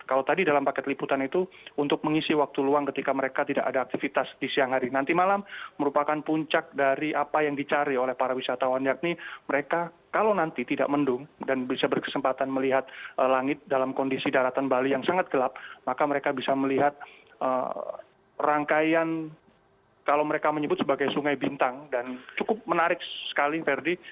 kalau tadi dalam paket liputan itu untuk mengisi waktu luang ketika mereka tidak ada aktivitas di siang hari nanti malam merupakan puncak dari apa yang dicari oleh para wisatawan yakni mereka kalau nanti tidak mendung dan bisa berkesempatan melihat langit dalam kondisi daratan bali yang sangat gelap maka mereka bisa melihat rangkaian kalau mereka menyebut sebagai sungai bintang dan cukup menarik sekali verdi